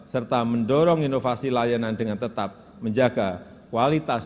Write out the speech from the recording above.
serta mendorong inovasi layanan dengan tetap menjaga kualitas